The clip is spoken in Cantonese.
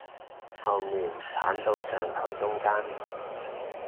後面剷到上頭中間